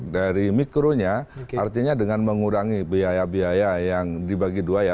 dari mikronya artinya dengan mengurangi biaya biaya yang dibagi dua ya